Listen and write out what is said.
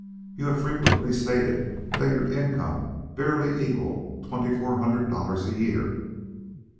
"You have frequently stated that your income barely equalled twenty four hundred dollars a year."